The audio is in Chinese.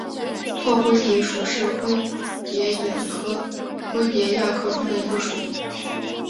拓灰蝶属是灰蝶科眼灰蝶亚科中的一个属。